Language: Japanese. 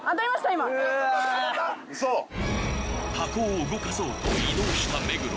今うわ箱を動かそうと移動した目黒